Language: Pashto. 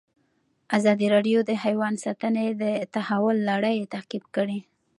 ازادي راډیو د حیوان ساتنه د تحول لړۍ تعقیب کړې.